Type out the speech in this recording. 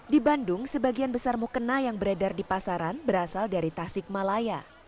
di bandung sebagian besar mukena yang beredar di pasaran berasal dari tasik malaya